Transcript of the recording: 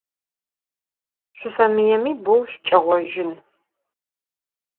Şüfemıêmi, bou şsuç'eğojın.